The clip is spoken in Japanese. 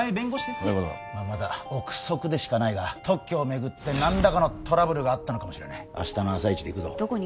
そういうことまだ臆測だが特許を巡り何らかのトラブルがあったのかもしれない明日の朝イチで行くぞどこに？